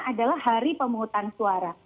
adalah hari pemungutan suara